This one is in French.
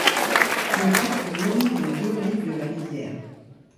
Le parc longe les deux rives de la rivière.